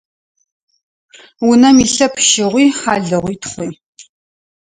Унэм илъэп щыгъуи, хьалыгъуи, тхъуи.